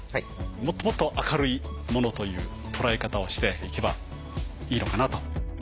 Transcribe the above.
もっともっと明るいものという捉え方をしていけばいいのかなと。